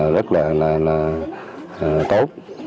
rất là tốt